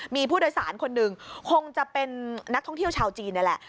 มีผู้โดยสารคนหนึ่งคงจะเป็นนักท่องเที่ยวชาวจีนนี่แหละ